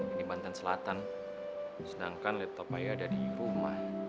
ini banten selatan sedangkan laptop saya ada di rumah